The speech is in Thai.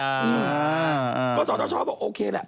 ก็สอบท่อช้อบว่าโอเคแหละ